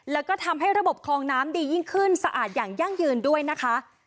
แล้วก็ทำให้ระบบคลองน้ำดียิ่งขึ้นสะอาดอย่างยั่งยืนด้วยนะคะ